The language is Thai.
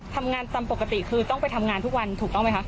ทำงานตามปกติคือต้องไปทำงานทุกวันถูกต้องไหมคะ